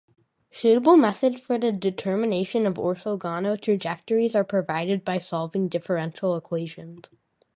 Suitable methods for the determination of orthogonal trajectories are provided by solving differential equations.